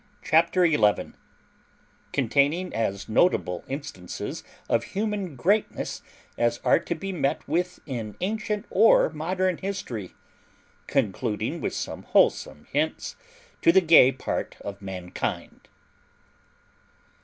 CHAPTER ELEVEN CONTAINING AS NOTABLE INSTANCES OF HUMAN GREATNESS AS ARE TO BE MET WITH IN ANCIENT OR MODERN HISTORY. CONCLUDING WITH SOME WHOLESOME HINTS TO THE GAY PART OF MANKIND.